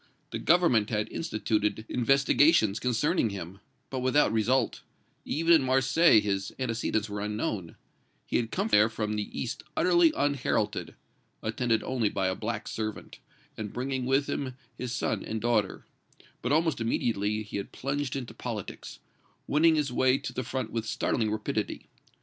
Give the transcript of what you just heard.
The Government had instituted investigations concerning him, but without result; even in Marseilles his antecedents were unknown; he had come there from the east utterly unheralded, attended only by a black servant, and bringing with him his son and daughter, but almost immediately he had plunged into politics, winning his way to the front with startling rapidity.